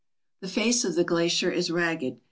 The face of the glacier is ragged.